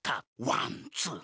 ワンツー。